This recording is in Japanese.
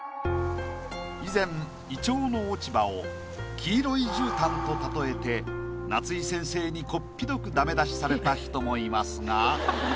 以前イチョウの落ち葉を「黄色い絨毯」と例えて夏井先生にこっぴどくダメ出しされた人もいますが。